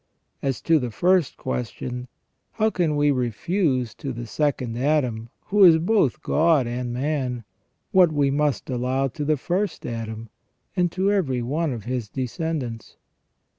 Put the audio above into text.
As to the first question, how can we refuse to the second Adam, who is both God and man, what we must allow to the first Adam, and to every one of his descendants